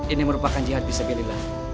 ini merupakan jihad bisa giliran